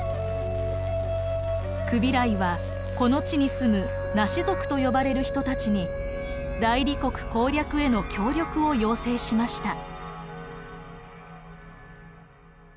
クビライはこの地に住むナシ族と呼ばれる人たちに大理国攻略への協力を要請しました。